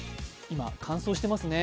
今、乾燥していますね。